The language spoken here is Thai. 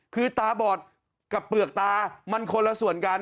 คือตาบอดกับเปลือกตามันคนละส่วนกัน